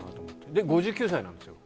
で、５９歳なんですよ。